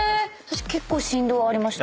結構振動ありました。